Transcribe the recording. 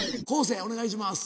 生お願いします。